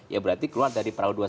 ya berarti keluar dari